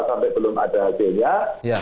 sampai belum ada hasilnya